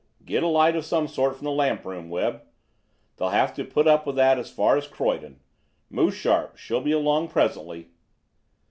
"Get a light of some sort from the lamp room, Webb. They'll have to put up with that as far as Croydon. Move sharp. She'll be along presently."